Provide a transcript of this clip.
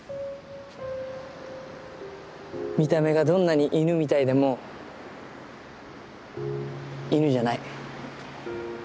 見た目がどんなに犬みたいでも犬じゃない。